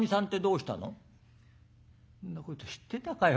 「んなこと知ってたかよ